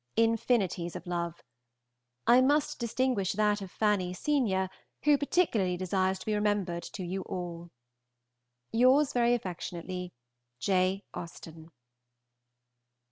Infinities of love. I must distinguish that of Fanny, senior, who particularly desires to be remembered to you all. Yours very affectionately, J. AUSTEN.